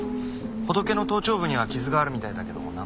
ホトケの頭頂部には傷があるみたいだけどなんとも。